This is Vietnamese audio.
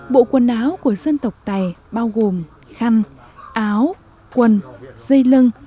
bộ quần áo của dân tộc tây bao gồm khăn áo quần dây lưng